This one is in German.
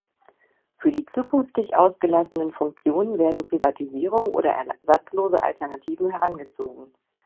Für die zukünftig ausgelassenen Funktionen werden Privatisierungen oder ersatzlose Alternativen herangezogen.